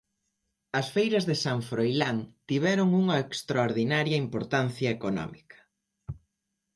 As feiras de San Froilán tiveron unha extraordinaria importancia económica.